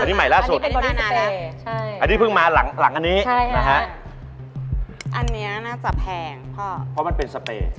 อันนี้ใหม่ล่าสุดอันนี้เพิ่งมาหลังอันนี้อันนี้น่าจะแพงเพราะมันเป็นสเปรย์